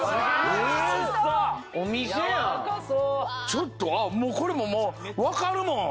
ちょっとあっこれももうわかるもん！